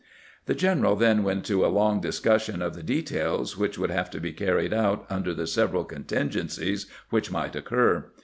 The general then went into a long discussion of the details which would have to be carried out under the several contingencies which might occur.